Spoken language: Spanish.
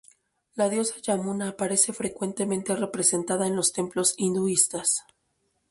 La diosa Yamuna aparece frecuentemente representada en los templos hinduistas.